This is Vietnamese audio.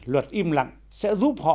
luật im lặng sẽ giúp họ